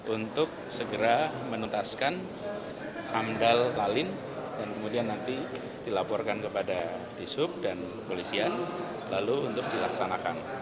untuk segera menuntaskan amdal lalin dan kemudian nanti dilaporkan kepada disub dan polisian lalu untuk dilaksanakan